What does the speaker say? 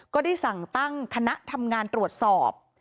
ก็ได้สั่งตั้งคณะทำงานตรวจสอบ